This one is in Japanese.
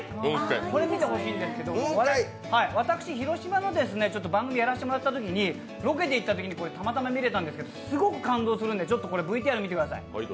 これ見てほしいんですけど、私、広島の番組をやらせていただいたときにロケで行ってたまたま見れたんですけど、すごく感動するので見てください。